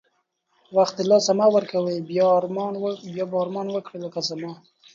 وخت د لاسه مه ورکوی بیا ارمان وکړی لکه زما